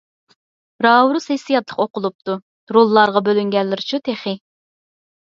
راۋرۇس ھېسسىياتلىق ئوقۇلۇپتۇ. روللارغا بۆلۈنگەنلىرىچۇ تېخى!